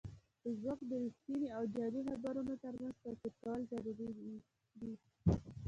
فېسبوک د رښتینې او جعلي خبرونو ترمنځ توپیر کول ضروري دي